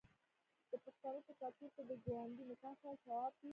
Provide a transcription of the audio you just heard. د پښتنو په کلتور کې د کونډې نکاح کول ثواب دی.